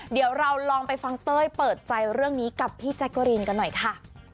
เดี๋ยวเราลองไปฟังเต้ยเปิดใจเรื่องนี้กับพี่แจ๊กกะรีนกันหน่อยค่ะ